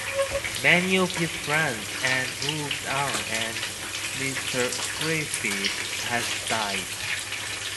Many of his friends and moved on and Mr Gruffydd has died.